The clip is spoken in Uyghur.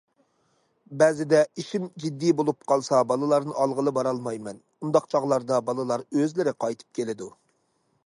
بەزىدە ئىشىم جىددىي بولۇپ قالسا بالىلارنى ئالغىلى بارالمايمەن، ئۇنداق چاغلاردا بالىلار ئۆزلىرى قايتىپ كېلىدۇ.